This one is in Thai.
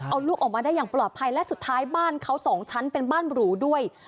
เอาลูกออกมาได้อย่างปลอดภัยและสุดท้ายบ้านเขาสองชั้นเป็นบ้านหรูด้วย